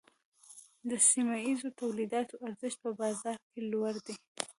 د سیمه ییزو تولیداتو ارزښت په بازار کې لوړ دی۔